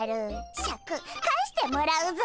シャク返してもらうぞ！